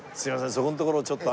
そこのところをちょっと。